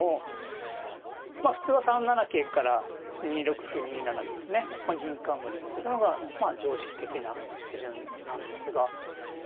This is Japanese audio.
まあ普通は３七桂から２六歩２七銀とね銀冠にするのがまあ常識的な手順なんですが。